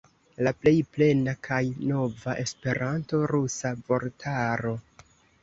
La plej plena kaj nova esperanto-rusa vortaro.